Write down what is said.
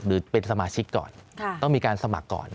หรือเป็นสมาชิกก่อนต้องมีการสมัครก่อน